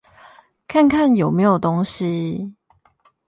看看有沒有東西